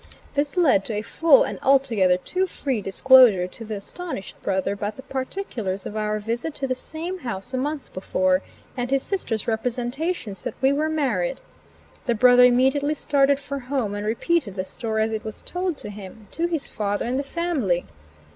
This led to a full and altogether too free disclosure to the astonished brother about the particulars of our visit to the same house a month before, and his sister's representations that we were married. The brother immediately started for home, and repeated the story, as it was told to him, to his father and the family.